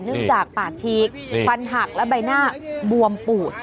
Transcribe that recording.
จากปากฉีกฟันหักและใบหน้าบวมปูด